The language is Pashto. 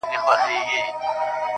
زما هيله زما د وجود هر رگ کي بهېږي